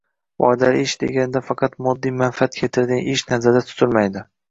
Foydali ish, deganda faqat moddiy manfaat keltiradigan ish nazarda tutilmaydi.